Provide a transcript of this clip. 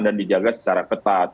dan dijaga secara ketat